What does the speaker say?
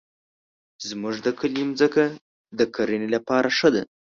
زمونږ د کلي مځکه د کرنې لپاره ښه ده.